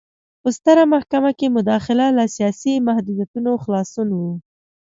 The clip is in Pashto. په ستره محکمه کې مداخله له سیاسي محدودیتونو خلاصون و.